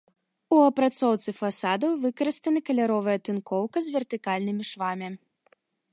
У апрацоўцы фасадаў выкарыстаны каляровая тынкоўка з вертыкальнымі швамі.